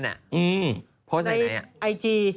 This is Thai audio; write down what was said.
ในไอจี